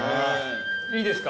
いいですか？